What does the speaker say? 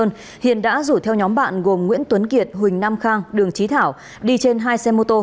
huỳnh công hữu hiền đã rủ theo nhóm bạn gồm nguyễn tuấn kiệt huỳnh nam khang đường trí thảo đi trên hai xe mô tô